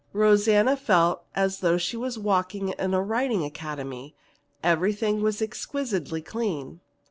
Rosanna felt as though she was walking in a riding academy. Everything was exquisitely clean.